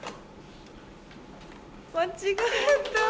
間違えた！